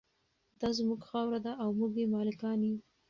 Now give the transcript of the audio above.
دا زموږ خاوره ده او موږ یې مالکان یو.